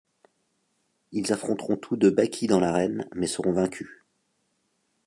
Ils affronteront tous deux Baki dans l’arène, mais seront vaincus.